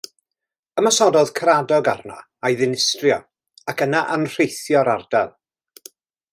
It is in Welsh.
Ymosododd Caradog arno a'i ddinistrio, ac yna anrheithio'r ardal.